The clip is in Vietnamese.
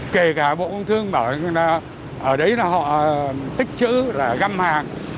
kể cả bộ công thương bảo là ở đấy là họ tích chữ là găm hàng